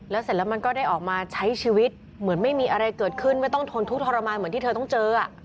เสร็จแล้วมันก็ได้ออกมาใช้ชีวิตเหมือนไม่มีอะไรเกิดขึ้นไม่ต้องทนทุกข์ทรมานเหมือนที่เธอต้องเจอ